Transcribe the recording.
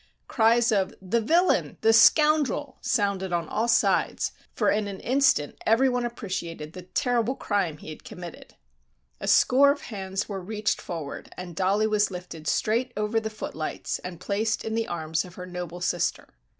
Cries of "The villain!" "The scoundrel!" sounded on all sides, for in an instant every one appreciated the terrible crime he had committed. A score of hands were reached forward and Dollie was lifted straight over the footlights and placed in the arms of her noble sister.